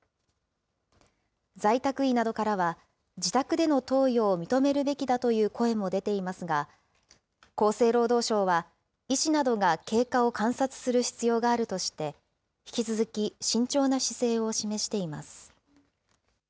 在宅医などからは、自宅での投与を認めるべきだという声も出ていますが、厚生労働省は、医師などが経過を観察する必要があるとして、引き続き慎重な姿勢を示しています。